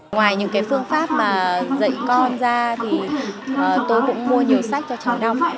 ngoài những phương pháp dạy con ra tôi cũng mua nhiều sách cho cháu đọc